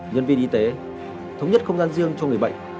nhân viên y tế thống nhất không gian riêng cho người bệnh